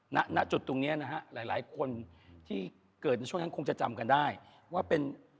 ณจุดตรงนี้นะฮะหลายคนที่เกิดในช่วงนั้นคงจะจำกันได้ว่าเป็น